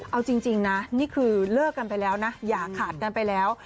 เอาจริงนะนี่คือเลิกกันไปแล้วนะอย่าขาดกันไปแล้ว